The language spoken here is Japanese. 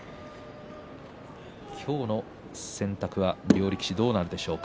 今日の選択は両力士どうなんでしょうか。